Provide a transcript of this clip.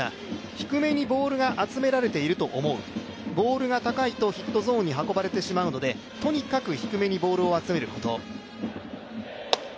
低めにボールが集められていると思う、ボールが高いとヒットゾーンに運ばれてしまうので、とにかく低めにボールを集めること。